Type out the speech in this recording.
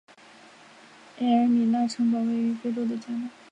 埃尔米纳城堡位于非洲的加纳。